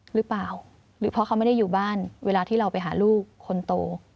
หรือเปล่าหรือเพราะเขาไม่ได้อยู่บ้านเวลาที่เราไปหาลูกคนโต